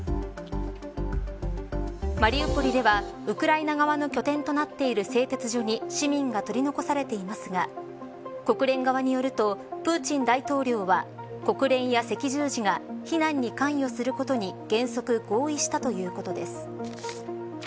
マリウポリでは、ウクライナ側の拠点となっている製鉄所に市民が取り残されていますが国連側によるとプーチン大統領は国連や赤十字が避難に関与することに原則合意したということです。